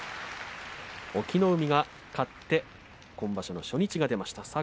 隠岐の海が勝って今場所初日が出ました。